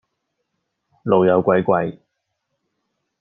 老友鬼鬼